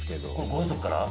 ご家族から？